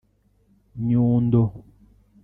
Nyundo